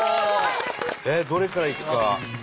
えっどれからいくか。